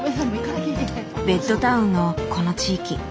ベッドタウンのこの地域。